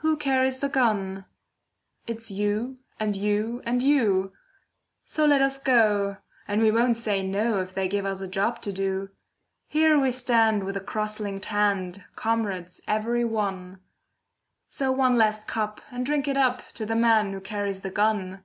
Who carries the gun? It's you, and you, and you; So let us go, and we won't say no If they give us a job to do. Here we stand with a cross linked hand, Comrades every one; So one last cup, and drink it up To the man who carries the gun!